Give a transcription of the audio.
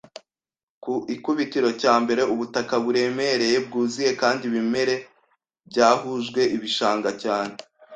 Ku ikubitiro cya mbere, ubutaka buremereye, bwuzuye kandi ibimera byahujwe, ibishanga cyane